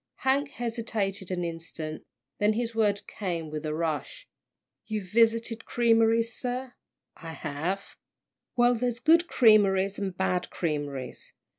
Hank hesitated an instant, then his words came with a rush. "You've visited creameries, sir?" "I have." "Well, there's good creameries and bad creameries.